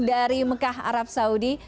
dari mekah arab saudi